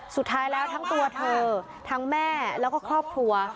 สุดท้ายแล้วทั้งตัวเธอทั้งแม่แล้วก็ครอบครัว